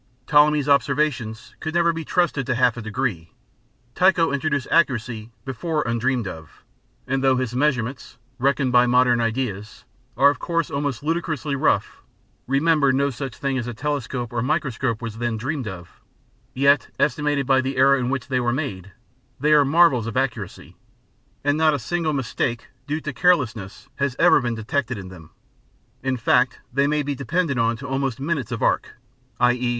Ptolemy's observations could never be trusted to half a degree. Tycho introduced accuracy before undreamed of, and though his measurements, reckoned by modern ideas, are of course almost ludicrously rough (remember no such thing as a telescope or microscope was then dreamed of), yet, estimated by the era in which they were made, they are marvels of accuracy, and not a single mistake due to carelessness has ever been detected in them. In fact they may be depended on almost to minutes of arc, _i.e.